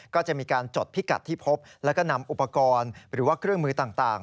ก็จะมีการจดพิกัดที่พบแล้วก็นำอุปกรณ์หรือว่าเครื่องมือต่าง